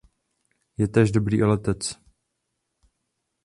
Je též dobrý letec.